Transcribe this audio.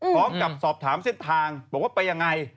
พร้อมกับสอบถามเส้นทางบอกว่าไปยังไง